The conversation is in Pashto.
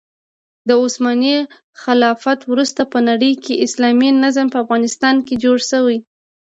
د عثماني خلافت وروسته په نړۍکې اسلامي نظام په افغانستان کې جوړ شو.